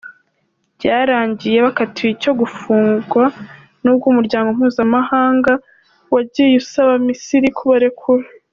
Byarangiye bakatiwe icyo gifungo, n’ubwo umuryango mpuzamahanga wagiye usaba Misiri kubarekura.